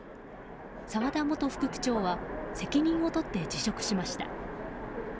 澤田元副区長は責任を取って辞職しました。